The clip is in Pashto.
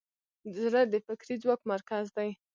زړه د فکري ځواک مرکز دی.